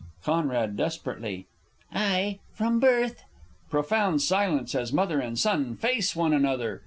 C. (desperately). Ay, from birth! [_Profound silence, as Mother and Son face one another.